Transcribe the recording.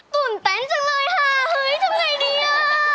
ตื่นเต้นจังเลยค่ะเฮ้ยทำไงดีอ่ะ